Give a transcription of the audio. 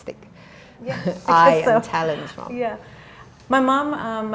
ya saya pikir begitu